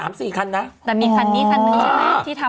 แต่มีคันนี้คันนึงใช่ไหม